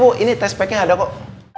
bu bu ini test packnya ga ada kok